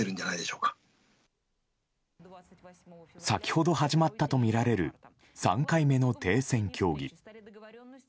先ほど始まったとみられる３回目の停戦協議。